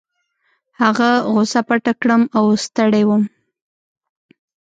هغه غوسه پټه کړم او ستړی وم.